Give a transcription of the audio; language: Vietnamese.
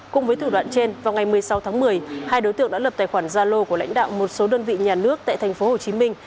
cùng với thủ đoạn trên vào ngày một mươi sáu tháng một mươi hai đối tượng đã lập tài khoản gia lô của lãnh đạo một số đơn vị nhà nước tại thành phố hồ chí minh